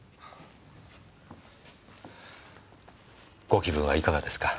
ご気分はいかがですか？